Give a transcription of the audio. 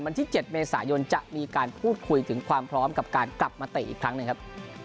วันที่๗เมษายนจะมีการพูดคุยถึงความพร้อมกับการกลับมาเตะอีกครั้งหนึ่งครับ